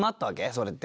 それって。